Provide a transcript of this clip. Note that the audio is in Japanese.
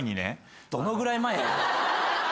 どのぐらい前？